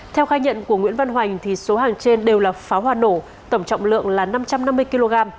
theo khai nhận của nguyễn văn hoành số hàng trên đều là pháo hoa nổ tổng trọng lượng là năm trăm năm mươi kg